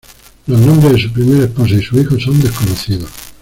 Los nombres de su primera esposa y sus hijos son desconocidos.